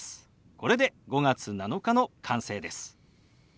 これで「５月７日」の完成です。